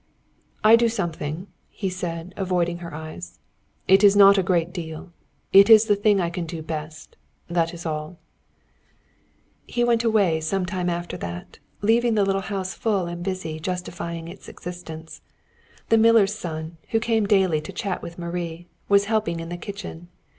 "I do something," he said, avoiding her eyes. "It is not a great deal. It is the thing I can do best. That is all." He went away some time after that, leaving the little house full and busy justifying its existence. The miller's son, who came daily to chat with Marie, was helping in the kitchen.